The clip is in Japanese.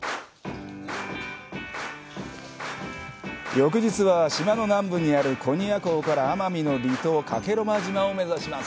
翌日は、島の南部にある古仁屋港から奄美の離島、加計呂麻島を目指します。